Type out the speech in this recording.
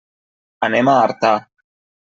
Anem a Artà.